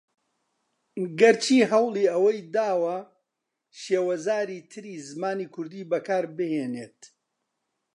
گەر چی ھەوڵی ئەوەی داوە شێوەزاری تری زمانی کوردی بەکاربھێنێت